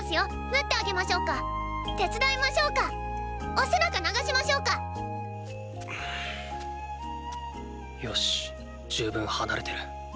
縫ってあげましょうか⁉手伝いましょうか⁉お背中流しましょうか⁉よし十分離れてる。